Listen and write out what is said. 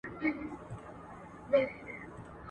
بدخشان د خپلو قیمتي ډبرو له امله ځانګړی ارزښت لري.